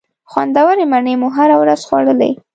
خوندورې مڼې مو هره ورځ خوړلې.